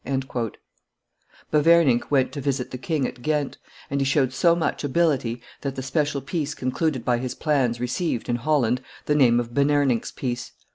Beverninck went to visit the king at Ghent; and he showed so much ability that the special peace concluded by his pains received, in Holland, the name of Beverninck's peace.